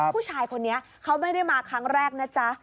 ผู้ชายคนนี้เขาไม่ได้มาครั้งแรกนะจ๊ะ